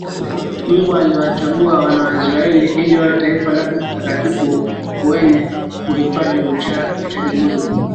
Mungu aliwachagua Wana wa Israel ili wawe taifa lake takatifu wenye kuhifadhi Uchaji Mungu